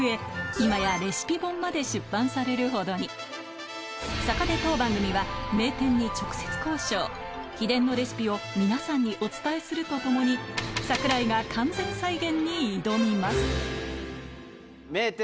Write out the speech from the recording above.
今やレシピ本まで出版されるほどにそこで当番組は名店に直接交渉秘伝のレシピを皆さんにお伝えするとともに櫻井が完全再現に挑みます